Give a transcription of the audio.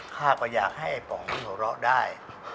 ข้าก็อยากให้อปองมาหัวเราะได้